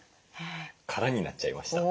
空になっちゃいました。